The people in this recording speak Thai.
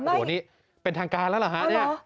โหนี่เป็นทางการแล้วเหรอฮะ